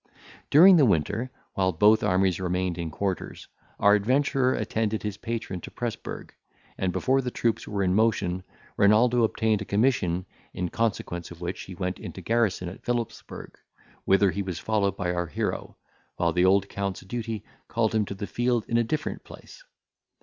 During the winter, while both armies remained in quarters, our adventurer attended his patron to Presburg, and, before the troops were in motion, Renaldo obtained a commission, in consequence of which he went into garrison at Philipsburg, whither he was followed by our hero, while the old Count's duty called him to the field in a different place.